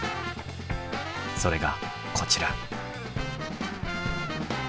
それがこちら。